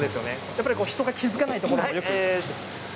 やっぱり人が気付かないところも？